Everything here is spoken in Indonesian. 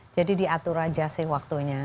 jadi diatur aja sih waktunya